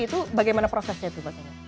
itu bagaimana prosesnya itu